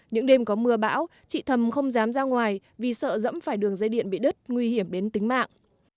những đêm có mưa bão chị thầm không dám ra ngoài vì sợ dẫm phải đường dây điện bị đứt nguy hiểm đến tính mạng